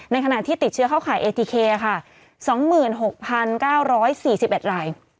ในขณะที่ติดเชื้อเข้าขายเอทีเคร่าค่ะสองหมื่นหกพันเก้าร้อยสี่สิบแบบราย